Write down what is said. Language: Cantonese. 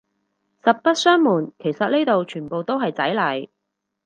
實不相暪，其實呢度全部都係仔嚟